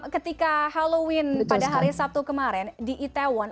ketika halloween pada hari sabtu kemarin di itaewon